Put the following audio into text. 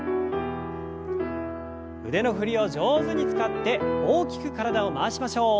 腕の振りを上手に使って大きく体を回しましょう。